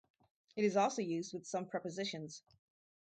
It is also used with some prepositions.